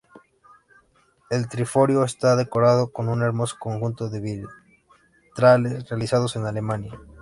El triforio está decorado con un hermoso conjunto de vitrales realizados en Alemania.